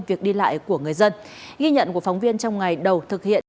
việc đi lại của người dân ghi nhận của phóng viên trong ngày đầu thực hiện